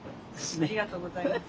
ありがとうございます。